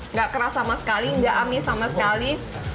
nggak keras sama sekali nggak amis sama sekali